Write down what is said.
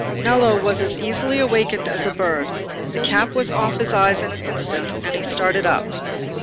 Nello was as easily awaked as a bird. The cap was off his eyes in an instant, and he started up.